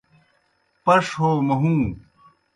پݜ ہو مہُوں